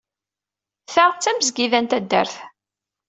Ta d tamesgida n taddart.